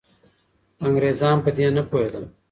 انګریزان په دې نه پوهېدل.